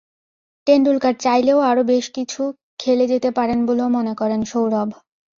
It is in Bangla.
টেন্ডুলকার চাইলেও আরও বেশ কিছুদিন খেলে যেতে পারেন বলেও মনে করেন সৌরভ।